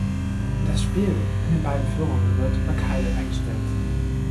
Das Spiel in den beiden Führungen wird über Keile eingestellt.